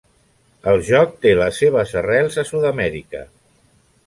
El joc té les seves arrels a Sud-amèrica.